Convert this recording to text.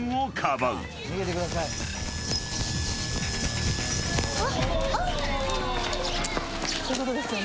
そういうことですよね。